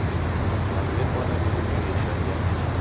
W'andu w'efwana w'irumirie sharia mbishi.